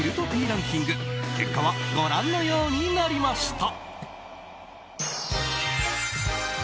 ランキング結果は、ご覧のようになりました。